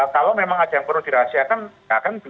kalau memang ada yang perlu dirahasiakan tidak akan bisa gitu loh